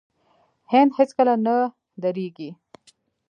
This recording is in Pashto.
هند هیڅکله نه دریږي.